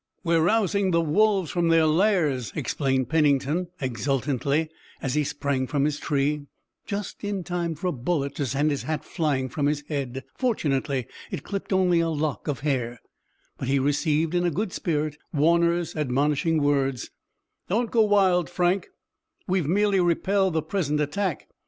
"We're rousing the wolves from their lairs," explained Pennington exultantly as he sprang from his tree, just in time for a bullet to send his hat flying from his head. Fortunately, it clipped only a lock of hair, but he received in a good spirit Warner's admonishing words: "Don't go wild, Frank. We've merely repelled the present attack.